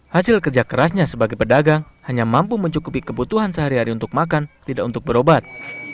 hasil kerja kerasnya sebagai pedagang hanya mampu mencukupi kebutuhan sehari hari untuk makan tidak untuk berobat